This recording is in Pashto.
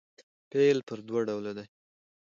فعل پر دوه ډوله دئ.